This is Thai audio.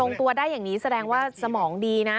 ลงตัวได้อย่างนี้แสดงว่าสมองดีนะ